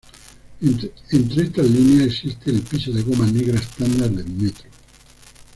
Entre estas líneas, existe el piso de goma negra estándar del Metro.